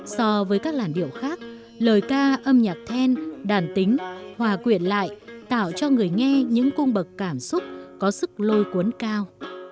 so với các làn điệu khác lời ca âm nhạc then đàn tính hòa quyện lại tạo cho người nghe những cung bậc cảm xúc có sức lôi cuốn cao